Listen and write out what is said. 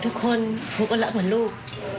ทุกคนครูก็รักเหมือนลูก